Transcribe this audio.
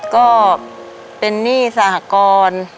ก็เป็นหนี้สหกร